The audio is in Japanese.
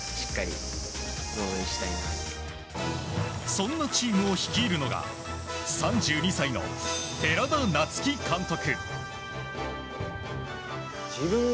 そんなチームを率いるのが３２歳の寺田夏生監督。